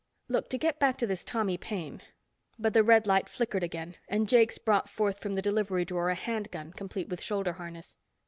"Look, to get back to this Tommy Paine." But the red light flickered again and Jakes brought forth from the delivery drawer a hand gun complete with shoulder harness.